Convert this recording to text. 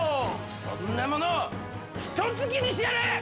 そんなものひと突きにしてやる！